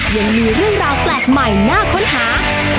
ยังมีเรื่องราวแปลกใหม่น่าค้นหา